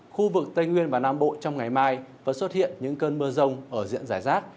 khu vực tây nguyên và nam bộ trong ngày mai vẫn xuất hiện những cơn mưa rông ở diện giải rác